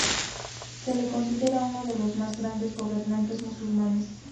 Se le considera uno de los más grandes gobernantes musulmanes.